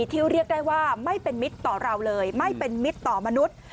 เรียกได้ว่าไม่เป็นมิตรต่อเราเลยไม่เป็นมิตรต่อมนุษย์